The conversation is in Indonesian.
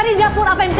tidak ada yang bisa